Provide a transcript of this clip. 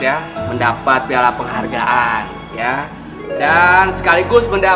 di warung nilis tepuk tangan yang meriah dong wu wu wu